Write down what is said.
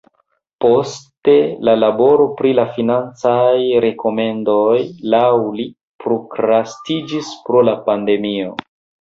Poste la laboro pri la financaj rekomendoj laŭ li prokrastiĝis pro la pandemio.